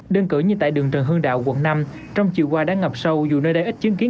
đơn cử như tại đường trần hương đạo quận năm trong chiều qua đã ngập sâu dù nơi đây ít chứng kiến